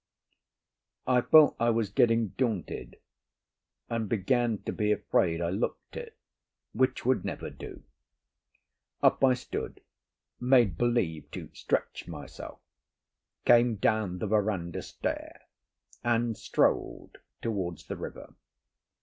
I felt I was getting daunted, and began to be afraid I looked it, which would never do. Up I stood, made believe to stretch myself, came down the verandah stair, and strolled towards the river.